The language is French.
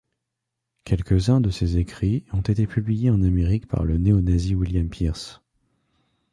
Quelques-uns de ses écrits ont été publiés en Amérique par le néo-nazi William Pierce.